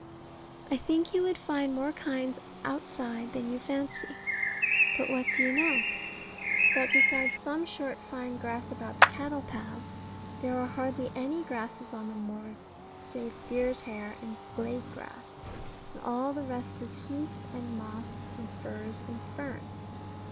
I think you would find more kinds outside than you fancy. But what do you know? That beside some short fine grass about the cattle paths, there are hardly any grasses on the moor save deer's hair and glade grass; and all the rest is heath, and moss, and furze, and fern.